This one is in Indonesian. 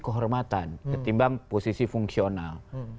kehormatan ketimbang posisi fungsional